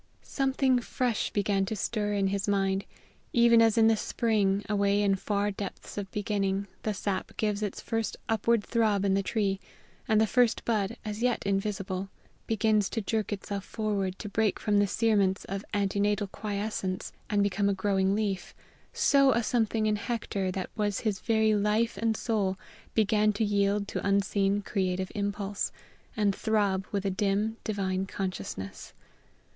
Something fresh began to stir in his mind; even as in the spring, away in far depths of beginning, the sap gives its first upward throb in the tree, and the first bud, as yet invisible, begins to jerk itself forward to break from the cerements of ante natal quiescence, and become a growing leaf, so a something in Hector that was his very life and soul began to yield to unseen creative impulse, and throb with a dim, divine consciousness.